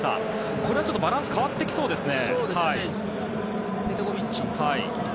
これはちょっとバランス変わってきそうですね。